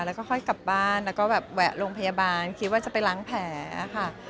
แล้วก็ค่อยกลับบ้านแล้วก็แบบแวะโรงพยาบาลคิดว่าจะไปล้างแผลค่ะ